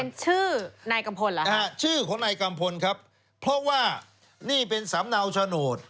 เป็นชื่อนายกัมพลเหรอฮะชื่อของนายกัมพลครับเพราะว่านี่เป็นสำเนาโฉนด